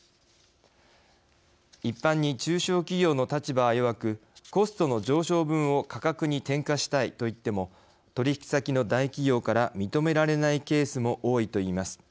一般に中小企業の立場は弱くコストの上昇分を価格に転嫁したいといっても取り引き先の大企業から認められないケースも多いと言います。